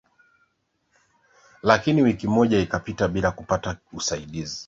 Lakini wiki moja ikapita bila kupata usaidizi